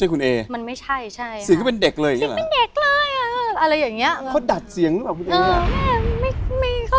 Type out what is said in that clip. อุยไล่เลยเหรอ